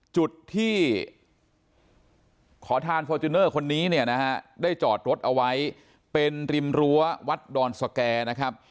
จุดที่ขอทานฟอร์จูเนอร์คนนี้เนี่ยนะฮะได้จอดรถเอาไว้เป็นริมรั้ววัดดอนสแก่นะครับ